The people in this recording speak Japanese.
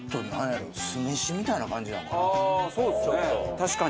確かに！